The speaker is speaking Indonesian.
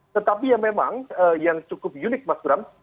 tetapi yang memang cukup unik mas bram